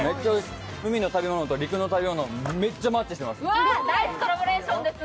海の食べ物と陸の食べ物、めっちゃマッチしてます。